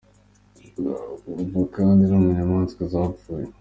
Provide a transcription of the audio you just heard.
Ruva kandi no mu nyamaswa zapfuye.